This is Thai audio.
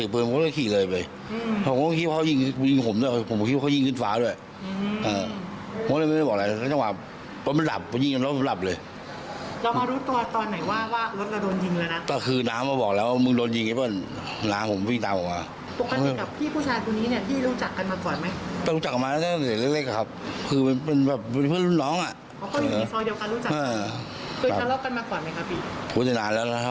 เพื่อนลุ่นน้องค่ะ